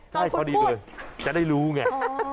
ใช่พอดีเลยจะได้รู้ไง